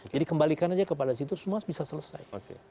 jadi kembalikan aja ke situ semua bisa selesai